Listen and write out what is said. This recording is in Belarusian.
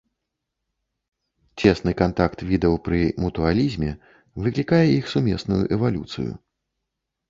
Цесны кантакт відаў пры мутуалізме выклікае іх сумесную эвалюцыю.